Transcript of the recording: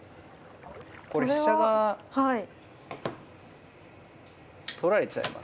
これ飛車が取られちゃいますね。